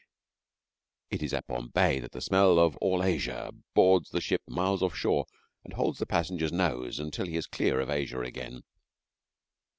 It is at Bombay that the smell of All Asia boards the ship miles off shore, and holds the passenger's nose till he is clear of Asia again.